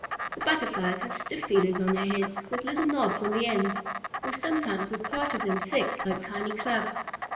The Butterflies have stiff feelers on their heads with little knobs on the ends, or sometimes with part of them thick like tiny clubs.